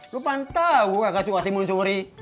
lo pantas gue gak kasih uang timun suri